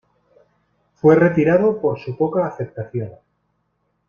Fue retirado por su poca aceptación.